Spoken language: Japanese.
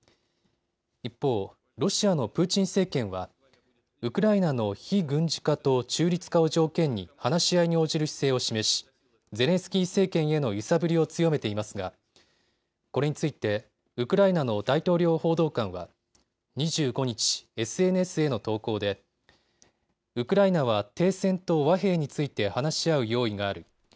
一方、ロシアのプーチン政権はウクライナの非軍事化と中立化を条件に話し合いに応じる姿勢を示し、ゼレンスキー政権への揺さぶりを強めていますが、これについてウクライナの大統領報道官は２５日、ＳＮＳへの投稿でウクライナは停戦と和平について話し合う用意がある。